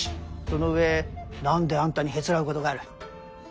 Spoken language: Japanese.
その上何であんたにへつらうことがある？